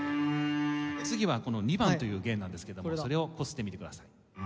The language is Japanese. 次はこの２番という弦なんですけどもそれをこすってみてください。